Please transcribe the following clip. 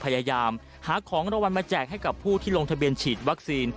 หลายจังหวัดจึงพยายามหาของรวัลมาแจกให้กับผู้ที่ลงทะเบียนฉีดวัคซีน